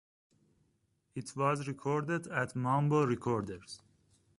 It was recorded at Mambo Recorders.